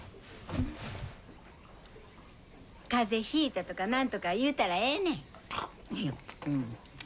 風邪ひいたとか何とか言うたらええねん。